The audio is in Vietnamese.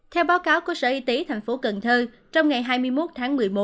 theo báo cáo của sở y tế thành phố cần thơ trong ngày hai mươi một tháng một mươi một